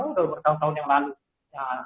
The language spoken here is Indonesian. sudah bertahun tahun yang lalu